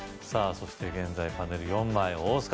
そして現在パネル４枚大須賀さん